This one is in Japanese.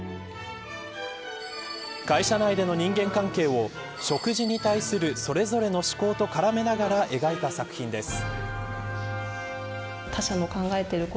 会社内での人間関係を食事に対するそれぞれの思考と絡めながら描いた作品です。